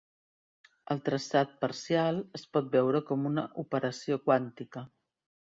El traçat parcial es pot veure com una operació quàntica.